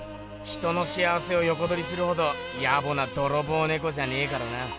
人の幸せをよこどりするほどやぼな泥棒ねこじゃねえからな。